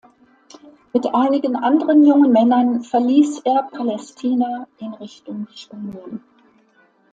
Mit einigen anderen jungen Männern verließ er Palästina in Richtung Spanien.